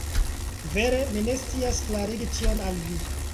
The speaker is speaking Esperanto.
Vere, mi ne scias klarigi tion al vi.